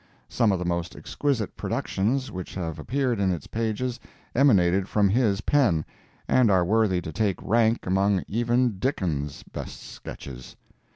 Some of the most exquisite productions which have appeared in its pages emanated from his pen, and are worthy to take rank among even Dickens' best sketches.